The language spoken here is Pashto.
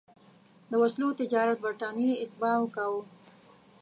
د وسلو تجارت برټانیې اتباعو کاوه.